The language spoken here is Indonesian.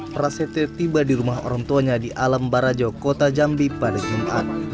prasetyo tiba di rumah orang tuanya di alam barajo kota jambi pada jumat